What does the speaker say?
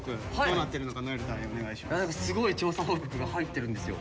何かすごい調査報告が入ってるんですよ。